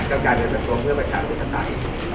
ก็กลายเป็นประทรวมเพื่อประชาติวิทยาติไปเวทยาพิวเงินก่อน